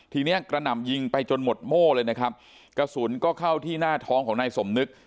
เนี้ยกระหน่ำยิงไปจนหมดโม่เลยนะครับกระสุนก็เข้าที่หน้าท้องของนายสมนึก